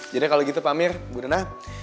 jadi kalau gitu pak mir budona